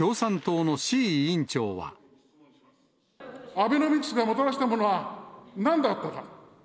アベノミクスがもたらしたものはなんだったか。